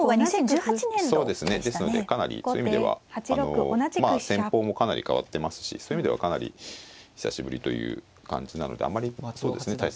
ですのでかなりそういう意味ではまあ戦法もかなり変わってますしそういう意味ではかなり久しぶりという感じなのであまりそうですね